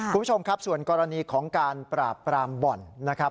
คุณผู้ชมครับส่วนกรณีของการปราบปรามบ่อนนะครับ